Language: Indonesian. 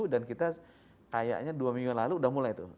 dan kita kayaknya dua minggu lalu sudah mulai itu